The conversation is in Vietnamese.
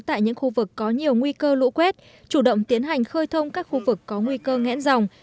tại những khu vực có nhiều nguy cơ lũ quét chủ động tiến hành khơi thông các khu vực có nguy cơ ngẽn dòng